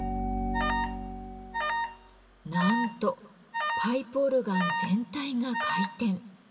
なんとパイプオルガン全体が回転。